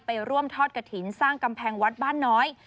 ไปร่วมทอดกระถิ่นสร้างกำแพงวัดบ้านน้อย